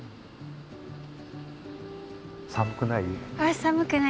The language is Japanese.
寒くない？